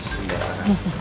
すいません。